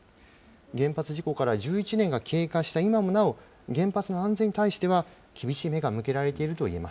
原発事故から１１年が経過した今もなお、原発の安全に対しては厳しい目が向けられているといえ